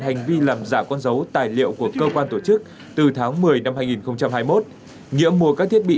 hành vi làm giả con dấu tài liệu của cơ quan tổ chức từ tháng một mươi năm hai nghìn hai mươi một nghĩa mua các thiết bị